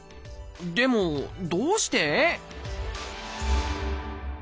でもどうして？